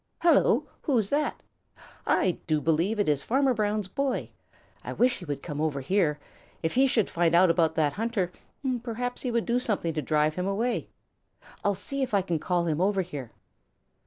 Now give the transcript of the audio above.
Hello, who is that? I do believe it is Farmer Brown's boy. I wish he would come over here. If he should find out about that hunter, perhaps he would do something to drive him away. I'll see if I can call him over here."